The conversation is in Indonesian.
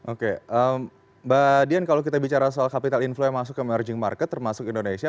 oke mbak dian kalau kita bicara soal capital inflow yang masuk ke emerging market termasuk indonesia